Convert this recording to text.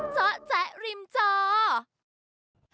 เจ้าแจ๊กริมเจาว์